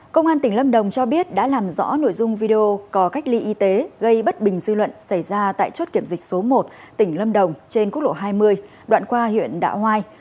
công an tỉnh lâm đồng cho biết đã làm rõ nội dung video có cách ly y tế gây bất bình dư luận xảy ra tại chốt kiểm dịch số một tỉnh lâm đồng trên quốc lộ hai mươi đoạn qua huyện đạ hoai